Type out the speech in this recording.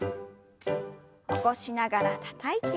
起こしながらたたいて。